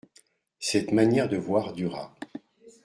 Cette manière de voir dura.